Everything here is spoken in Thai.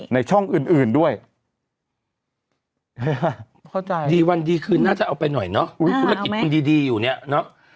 ในช่องอื่นด้วยเจอป่ะเดี๋ยววันดีคืนน่าจะเอาไปหน่อยเนาะเอาไหมดีอยู่เนี่ยเนาะ